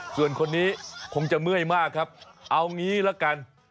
ส่วนคนนี้คงจะเมื่อยมากครับเอางี้ละกัน